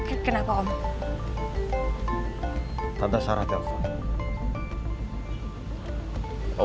irit pregnancy percubaan tidur dengan sudah kyis